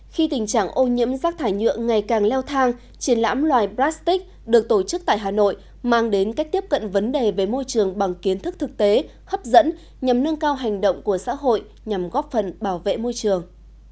khi tình trạng ô nhiễm rác thải nhựa ngày càng leo thang triển lãm loài plastic được tổ chức tại hà nội mang đến cách tiếp cận vấn đề về môi trường bằng kiến thức thực tế hấp dẫn nhằm nâng cao hành động của xã hội nhằm góp phần bảo vệ môi trường